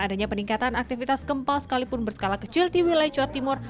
adanya peningkatan aktivitas gempa sekalipun berskala kecil di wilayah jawa timur